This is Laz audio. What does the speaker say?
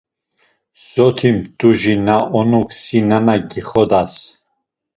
Soti mtuci na onuk si nana gixodas.